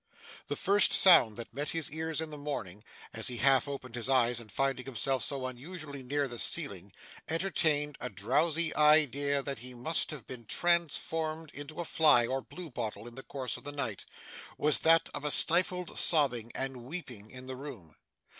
The first sound that met his ears in the morning as he half opened his eyes, and, finding himself so unusually near the ceiling, entertained a drowsy idea that he must have been transformed into a fly or blue bottle in the course of the night, was that of a stifled sobbing and weeping in the room.